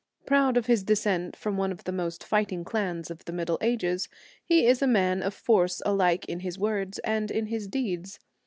Proud of his descent from one of the most fighting clans of the Middle Ages, he is a man of force alike in his words and in his deeds.